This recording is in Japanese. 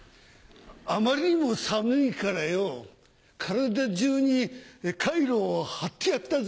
あまりにも寒いからよぉ体中にカイロを貼ってやったぜ！